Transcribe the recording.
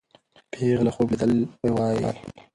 پېغله خوب لیدلی وایي.